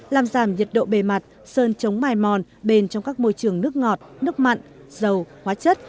làm giảm nhiệt độ bề mặt sơn chống mài mòn bền trong các môi trường nước ngọt nước mặn dầu hóa chất